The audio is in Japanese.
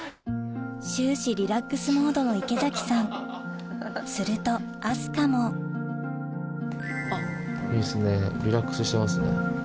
終始リラックスモードの池崎さんすると明日香もいいっすねリラックスしてますね。